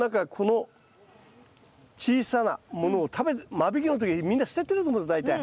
間引きの時みんな捨ててると思うんです大体。